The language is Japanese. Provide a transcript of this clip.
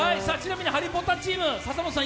「ハリー・ポッター」チーム、笹本さん